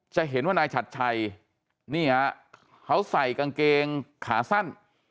จะเห็นว่านายฉัดชัยนี่ฮะเขาใส่กางเกงขาสั้น